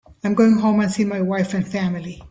I'm going home and see my wife and family.